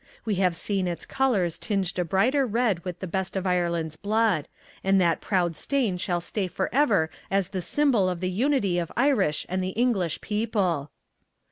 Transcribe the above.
We have seen its colours tinged a brighter red with the best of Ireland's blood, and that proud stain shall stay forever as the symbol of the unity of Irish and the English people."